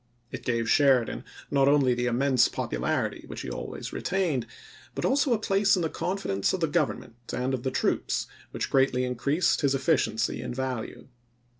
It gave Sheridan not only the immense popularity which he always retained, but also a place in the confidence of the Government and of the troops, which greatly increased his efficiency and value.